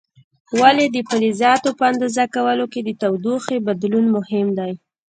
ولې د فلزاتو په اندازه کولو کې د تودوخې بدلون مهم دی؟